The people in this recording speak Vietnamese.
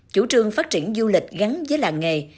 chủ trương phát triển du lịch gắn với làng nghề